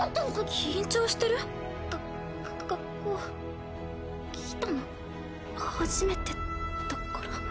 緊張してる？が学校来たの初めてだから。